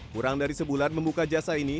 kurang dari sebulan membuka jasa ini